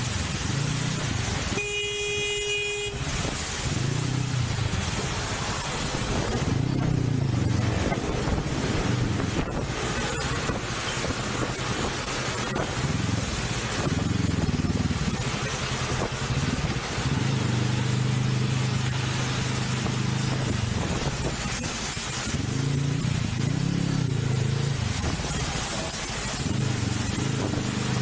สวัสดีครับ